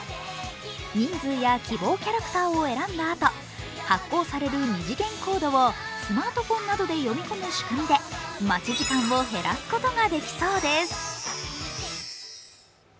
人数や希望キャラクターを選んだあと、発行される二次元コードをスマートフォンなどで読み込む仕組みで待ち時間を減らすことができそうです。